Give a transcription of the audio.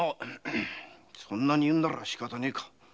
そんなに言うならしかたねえか。